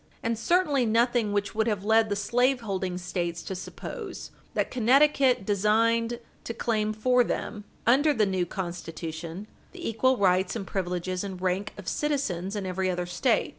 And certainly nothing which would have led the slaveholding States to suppose that Connecticut designed to claim for them, under Page 60 U. S. 414 the new Constitution, the equal rights and privileges and rank of citizens in every other State.